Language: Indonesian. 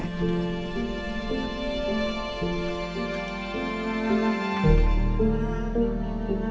yang melintas jatuh terpeleset